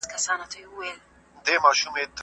اول خپلې ستونزې حل کړه او بیا د نورو غ غمه خوره.